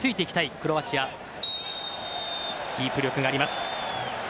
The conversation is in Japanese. キープ力があります。